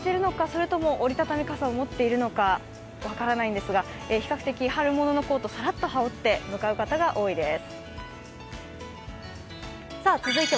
それとも折り畳み傘を持っているのか分からないんですが比較的春物のコートをさらっと羽織って向かう方が多いです。